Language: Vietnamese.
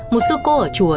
một sư cô ở chùa